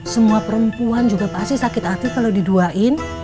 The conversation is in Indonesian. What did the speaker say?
semua perempuan juga pasti sakit hati kalau diduain